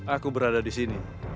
aku berada di sini